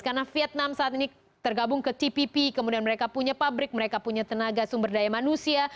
karena vietnam saat ini tergabung ke tpp kemudian mereka punya pabrik mereka punya tenaga sumber daya manusia